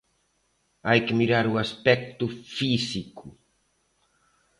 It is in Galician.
Hai que mirar o aspecto físico.